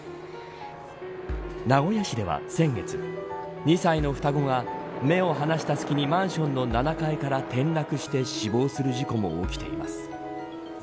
名古屋市では先月２歳の双子が目を離した隙にマンションの７階から転落して死亡する事故も起きています。